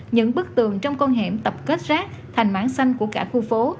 những bức tường trong con hẻm tập kết rác thành mảng xanh của cả khu phố